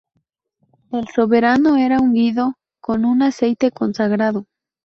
El soberano era ungido con un aceite consagrado.